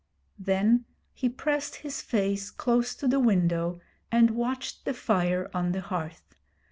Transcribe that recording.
Then he pressed his face close to the window and watched the fire on the hearth.